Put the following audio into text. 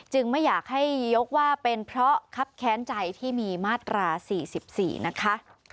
ไม่อยากให้ยกว่าเป็นเพราะคับแค้นใจที่มีมาตรา๔๔นะคะ